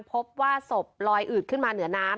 พบว่าศพลอยอืดขึ้นมาเหนือน้ำ